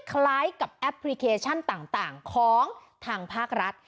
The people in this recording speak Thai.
คล้ายกับแอปพลิเคชันต่างของทางภาครัฐ